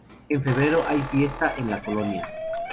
En febrero hay fiesta en la Col.